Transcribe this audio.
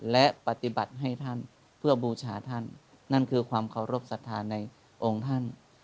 และปฏิบัติให้ท่าน